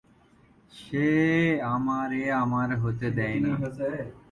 এর প্রত্যুত্তরে ওয়াইল্ড অদম্য মনোভাব নিয়ে ব্রিটিশ সংবাদমাধ্যমে তাঁর উপন্যাস ও শিল্পকলার পক্ষে সওয়াল করেন।